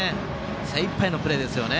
精いっぱいのプレーですね。